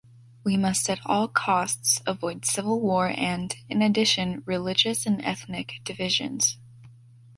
We must at all costs avoid civil war and, in addition, religious and ethnic divisions.